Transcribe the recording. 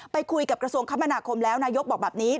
ไปคุยกับกระทรวงคมนาคมแล้วนายกบอกแบบนี้